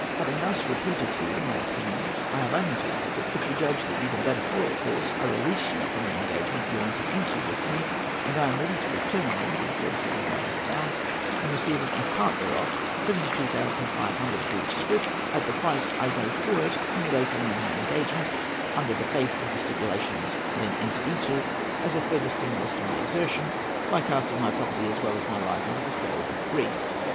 Having thus repeated to you my opinions, I have only to add that, if you judge you can follow a better course, I release you from the engagement you entered into with me, and I am ready to return you the 37,000£ on your receiving as part thereof 72,500 Greek scrip, at the price I gave for it on the day following my engagement (under the faith of the stipulations then entered into), as a further stimulus to my exertion, by casting my property, as well as my life, into the scale with Greece.